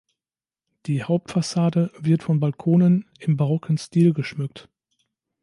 Die Hauptfassade wird von Balkonen im barocken Stil geschmückt.